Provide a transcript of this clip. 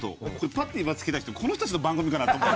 パッて今つけた人この人たちの番組かなって思うよ。